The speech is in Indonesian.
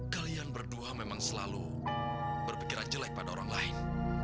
kalian berdua memang selalu berpikiran jelek pada orang lain